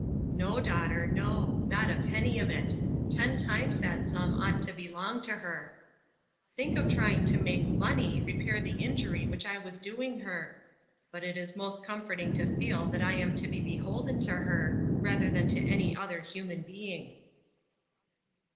" No, daughter, no ; not a penny of it. Ten times that sum ought to belong to her. Think of trying to make money repair the injury which I was~doing her I But it is most comff)rtiiig to 388 Ruth Erskine^s Crosses, feel that I am to be beholden to her, rather than to any other human being."